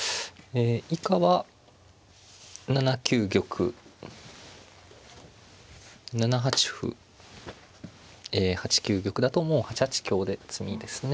以下は７九玉７八歩ええ８九玉だともう８八香で詰みですね。